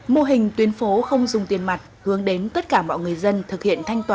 mô hình tuyến phố không dùng tiền mặt hướng đến tất cả mọi người dân thực hiện thanh toán